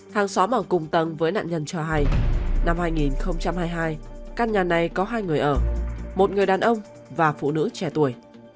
hàng xóm ở cùng tầng với nạn nhân cho hay năm hai nghìn hai mươi hai căn nhà này có hai người ở một người đàn ông và phụ nữ trẻ tuổi